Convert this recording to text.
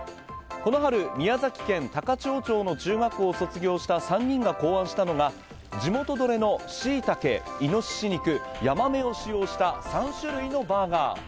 この春、宮崎県高千穂町の中学校を卒業した３人が考案したのが地元どれのシイタケ、イノシシ肉ヤマメを使用した３種類のバーガー。